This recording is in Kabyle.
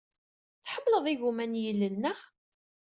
Tḥemmled igumma n yilel, naɣ?